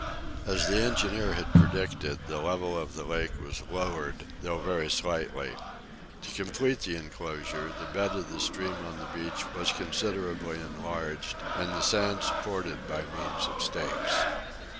As the engineer had predicted, the level of the lake was lowered, though very slightly. To complete the enclosure the bed of the stream on the beach was considerably enlarged, and the sand supported by means of stakes.